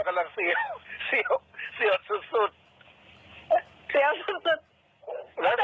กำลังเดี๋ยวเสียสุด